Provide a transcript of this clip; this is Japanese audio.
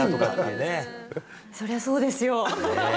そりゃそうですよ。